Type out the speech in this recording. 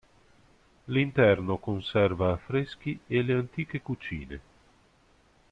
L'interno conserva affreschi e le antiche cucine.